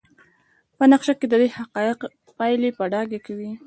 په نقشه کې ددې حقیق پایلې په ډاګه کوي.